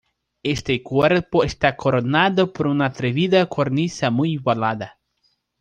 Este cuerpo está coronado por una atrevida cornisa muy volada.